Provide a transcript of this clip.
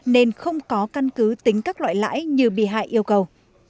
nên không có căn cứ tính các loại lãi như bị hại yêu cầu